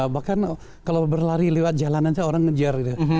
bahkan kalau berlari lewat jalanan saja orang ngejar gitu